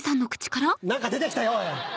何か出て来たよ！